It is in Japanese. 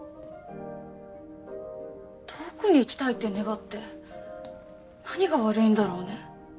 遠くに行きたいって願って何が悪いんだろうね。